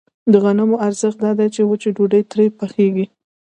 د غنمو ارزښت دا دی چې ډوډۍ ترې پخېږي